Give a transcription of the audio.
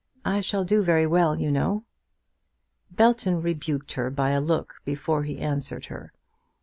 I shall do very well, you know." Belton rebuked her by a look before he answered her.